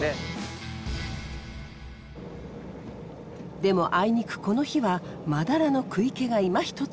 でもあいにくこの日はマダラの食い気がいまひとつ。